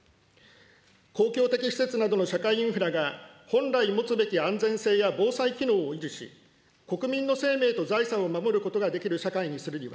公共的施設などの社会インフラが本来持つべき安全性や防災機能を維持し、国民の生命と財産を守ることができる社会にするには、